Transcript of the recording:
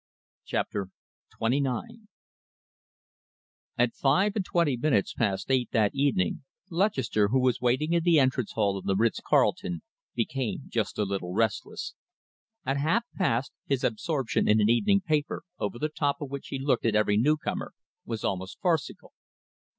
CHAPTER XXIX At five and twenty minutes past eight that evening Lutchester, who was waiting in the entrance hall of the Ritz Carlton, became just a little restless. At half past, his absorption in an evening paper, over the top of which he looked at every newcomer, was almost farcical.